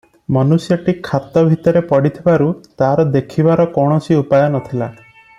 ମନୁଷ୍ୟଟି ଖାତ ଭିତରେ ପଡ଼ିଥିବାରୁ ତାର ଦେଖିବାର କୌଣସି ଉପାୟ ନ ଥିଲା ।